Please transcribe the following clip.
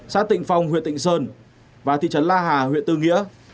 xã tịnh phong huyện tịnh sơn và thị trấn la hà huyện tư nghĩa